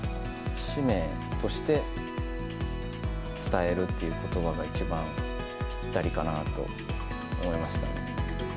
使命として、伝えるということばが一番ぴったりかなと思いました。